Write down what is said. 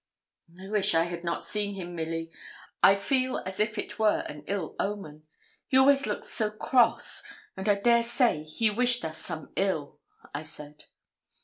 'I wish I had not seen him, Milly. I feel as if it were an ill omen. He always looks so cross; and I dare say he wished us some ill,' I said.